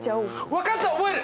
分かった覚える！